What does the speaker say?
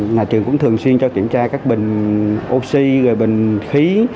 nhà trường cũng thường xuyên cho kiểm tra các bình oxy rồi bình khí